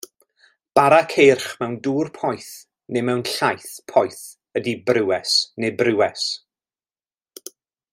Bara ceirch mewn dŵr poeth neu mewn llaeth poeth ydy brywes neu briwes.